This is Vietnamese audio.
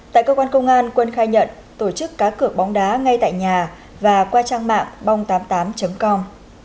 tại cơ quan công an quân khai nhận tổ chức cá cược bóng đá ngay tại nhà và qua trang mạng bong tám mươi tám com